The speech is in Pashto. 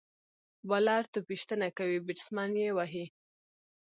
بالر توپ ویشتنه کوي، بیټسمېن يې وهي.